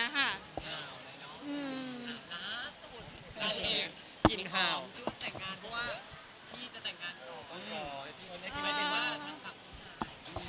อ่านหนาวเลยเนอะอันทั้งสองคนน่าเสียง